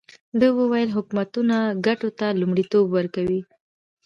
ده وویل حکومتونه ګټو ته لومړیتوب ورکوي.